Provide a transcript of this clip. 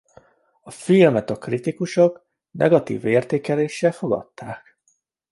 A filmet a kritikusok negatív értékeléssel fogadták.